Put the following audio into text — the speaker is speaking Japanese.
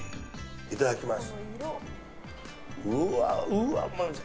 いただきます。